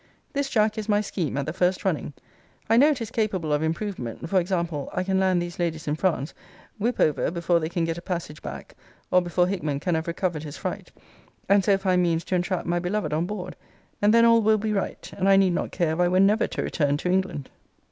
This, Jack, is my scheme, at the first running. I know it is capable of improvement for example: I can land these ladies in France; whip over before they can get a passage back, or before Hickman can have recovered his fright; and so find means to entrap my beloved on board and then all will be right; and I need not care if I were never to return to England.